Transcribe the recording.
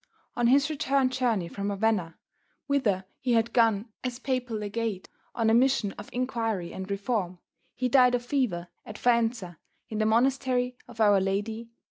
On his return journey from Ravenna, whither he had gone as Papal legate on a mission of inquiry and reform, he died of fever at Faenza, in the monastery of Our Lady, 1072.